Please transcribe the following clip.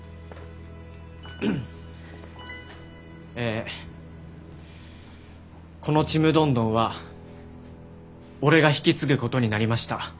えこのちむどんどんは俺が引き継ぐことになりました。